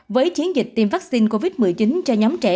với chiến dịch tiêm vaccine covid một mươi chín cho nhóm trẻ